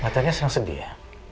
mbak tania senang sedih ya